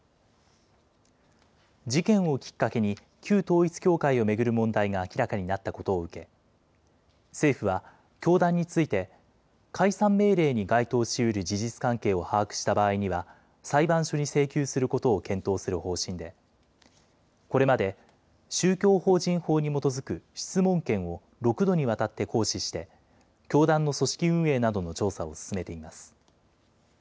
事件をきっかけに、旧統一教会を巡る問題が明らかになったことを受け、政府は教団について、解散命令に該当しうる事実関係を把握した場合には、裁判所に請求することを検討する方針で、これまで宗教法人法に基づく質問権を６度にわたって行使して、教団の組織運営などの調査を進めています。